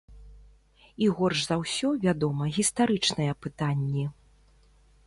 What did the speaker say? І горш за ўсё, вядома, гістарычныя пытанні.